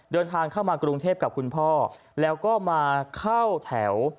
เดินทางเข้ามากรุงเทพกับคุณพ่อแล้วก็มาเข้าแถว